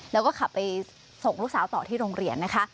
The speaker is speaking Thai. แล้วก็ขับไปส่งลูกสาวต่อที่โรงเรียนนะคะ